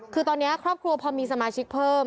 คือตอนนี้ครอบครัวพอมีสมาชิกเพิ่ม